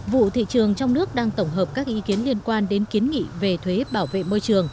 vụ thị trường trong nước đang tổng hợp các ý kiến liên quan đến kiến nghị về thuế bảo vệ môi trường